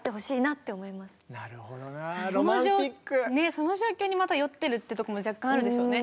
その状況にまた酔ってるってとこも若干あるでしょうね。